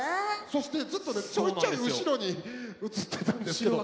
そしてずっとねちょいちょい後ろに映ってたんですけど。